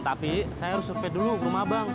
tapi saya harus survei dulu ke rumah bang